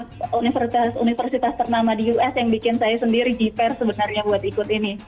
ada universitas universitas ternama di us yang bikin saya sendiri jipare sebenarnya buat ikut ini